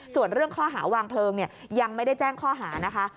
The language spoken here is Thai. ส่วนเรื่องข้อหาวางเพลิงยังไม่ได้แจ้งข้อหานะคะ